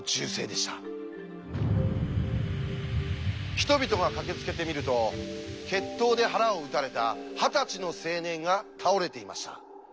人々が駆けつけてみると決闘で腹を撃たれた二十歳の青年が倒れていました。